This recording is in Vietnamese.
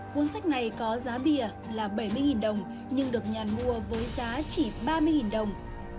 cuốn sách này có giá bìa là bảy mươi đồng nhưng được nhàn mua với giá chỉ ba mươi đồng